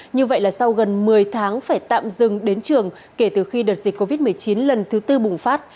như vậy là sau gần một mươi tháng phải tạm dừng đến trường kể từ khi đợt dịch covid một mươi chín lần thứ tư bùng phát